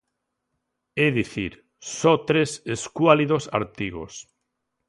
É dicir, só tres escuálidos artigos.